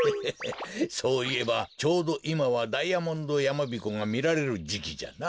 そういえばちょうどいまはダイヤモンドやまびこがみられるじきじゃな。